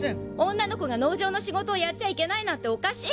女の子が農場の仕事をやっちゃいけないなんておかしい！